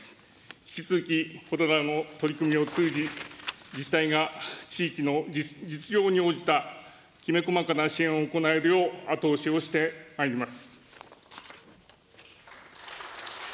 引き続きこれらの取り組みを通じ、自治体が地域の実情に応じたきめ細かな支援を行えるよう後押しをしてまいります。